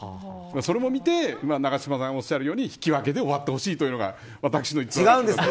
それも見て永島さんがおっしゃるように引き分けで終わってほしいというのが。